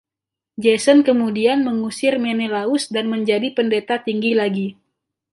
Jason kemudian mengusir Menelaus dan menjadi Pendeta Tinggi lagi.